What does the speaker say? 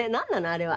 あれは。